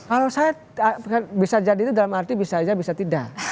kalau saya bisa jadi itu dalam arti bisa aja bisa tidak